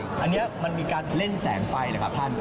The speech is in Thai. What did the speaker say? วัดนี้มันมีการเล่นแสงไฟเลยป่ะท่าน